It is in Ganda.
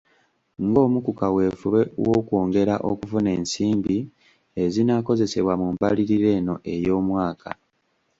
Ng’omu ku kaweefube w’okwongera okufuna ensimbi ezinaakozesebwa mu mbalirira eno ey’omwaka